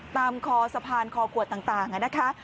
คอสะพานคอขวดต่างนะคะ